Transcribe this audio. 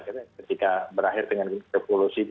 ketika berakhir dengan revolusi seribu sembilan ratus enam puluh lima